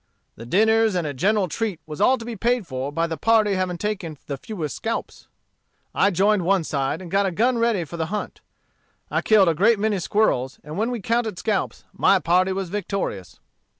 The dinners and a general treat was all to be paid for by the party having taken the fewest scalps. I joined one side, and got a gun ready for the hunt. I killed a great many squirrels, and when we counted scalps my party was victorious.